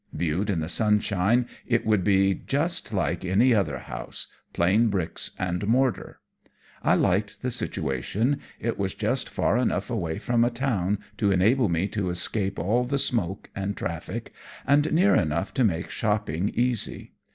Viewed in the sunshine, it would be just like any other house plain bricks and mortar. I liked the situation; it was just far enough away from a town to enable me to escape all the smoke and traffic, and near enough to make shopping easy.